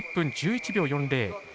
１分１１秒４０。